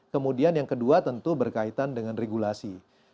kemudian yang kedua tentu berkaitan dengan regulasi